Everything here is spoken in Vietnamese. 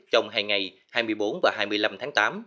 trong hai ngày hai mươi bốn và hai mươi năm tháng tám